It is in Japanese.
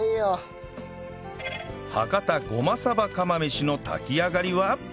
博多ごまさば釜飯の炊き上がりは？